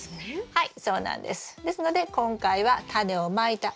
はい。